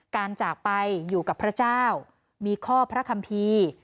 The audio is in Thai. จากไปอยู่กับพระเจ้ามีข้อพระคัมภีร์